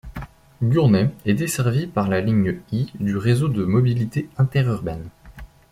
Gournay est desservie par la ligne I du Réseau de mobilité interurbaine.